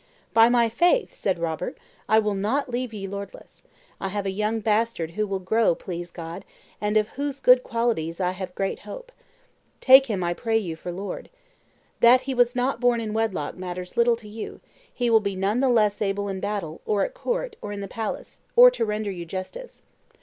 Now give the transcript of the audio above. "By my faith," said Robert, "I will not leave ye lordless. I have a young bastard who will grow, please God, and of whose good qualities I have great hope. Take him, I pray you, for lord. That he was not born in wedlock matters little to you; he will be none the less able in battle, or at court, or in the palace, or to render you justice.